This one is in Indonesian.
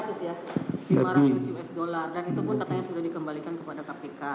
lima ratus itu pun katanya sudah dikembalikan kepada kpk